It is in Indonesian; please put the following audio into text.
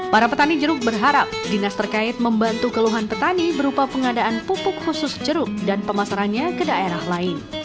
para petani jeruk berharap dinas terkait membantu keluhan petani berupa pengadaan pupuk khusus jeruk dan pemasarannya ke daerah lain